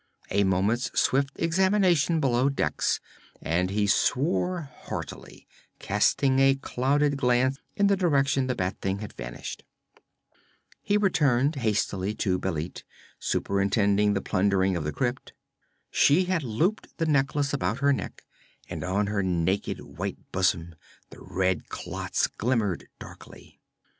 A moment's swift examination below decks, and he swore heartily, casting a clouded glance in the direction the bat being had vanished. He returned hastily to Bêlit, superintending the plundering of the crypt. She had looped the necklace about her neck, and on her naked white bosom the red clots glimmered darkly.